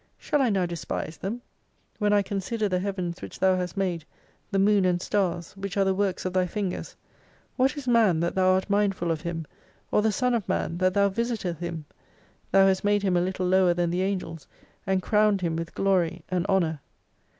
Shall I now despise them ? When I consider the heavens which Thou hast made, the moon and stars, which are the works of Thy fingers: what is man that Thou art mindful of him, or the son of man that Thou visifeth him ! Thou hast made him a little lower than the angels, and crowned him with glory and honour.